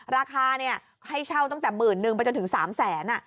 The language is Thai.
ราคาให้เช่าตั้งแต่๑๑๐๐๐บาทไปจนถึง๓๐๐๐๐๐บาท